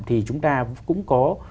thì chúng ta cũng có